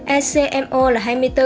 ecmo là hai mươi bốn